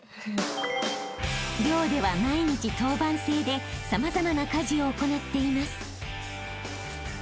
［寮では毎日当番制で様々な家事を行っています］